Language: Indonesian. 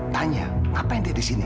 tanya ngapain dia disini